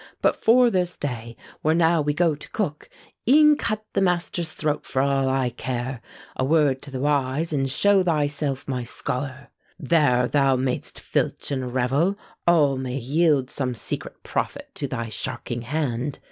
But for this day, where now we go to cook, E'en cut the master's throat for all I care; "A word to th' wise," and show thyself my scholar! There thou mayst filch and revel; all may yield Some secret profit to thy sharking hand.